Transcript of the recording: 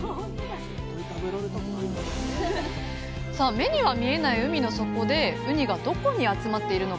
目には見えない海の底でウニがどこに集まっているのか？